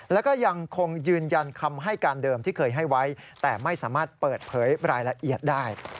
แล้วก็ยังคงยืนยันคำให้การเดิมที่เคยให้ไว้แต่ไม่สามารถเปิดเผยรายละเอียดได้